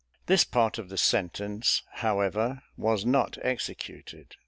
This part of the sentence, however, was not executed.